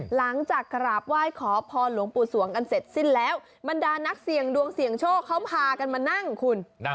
หลังจากกราบไหว้ขอพรหลวงปู่สวงกันเสร็จสิ้นแล้วบรรดานักเสี่ยงดวงเสี่ยงโชคเขาพากันมานั่งคุณ